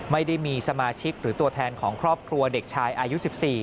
ไม่ได้มีสมาชิกหรือตัวแทนของครอบครัวเด็กชายอายุ๑๔